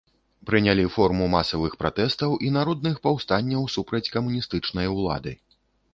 Прынялі форму масавых пратэстаў і народных паўстанняў супраць камуністычнай улады.